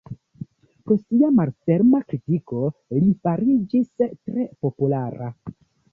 Pro sia malferma kritiko li fariĝis tre populara.